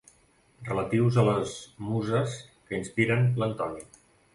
Relatius a les muses que inspiren l'Antoni.